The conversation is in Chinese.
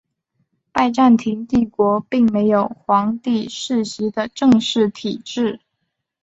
拜占庭帝国并没有皇帝世袭的正式体制。